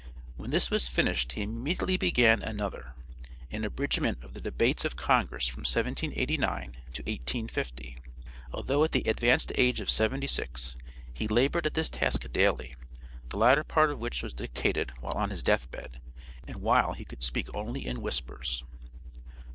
When this was finished he immediately began another, "An Abridgment of the Debates of Congress from 1789 to 1850." Although at the advanced age of seventy six, he labored at this task daily, the latter part of which was dictated while on his death bed, and while he could speak only in whispers.